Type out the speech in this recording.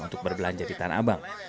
untuk berbelanja di tanah abang